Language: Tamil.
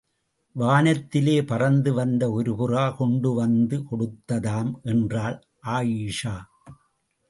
வானத்திலே பறந்து வந்த ஒரு புறா கொண்டு வந்து கொடுத்ததாம் என்றாள் ஆயிஷா.